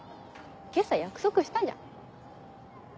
今朝約束したじゃん。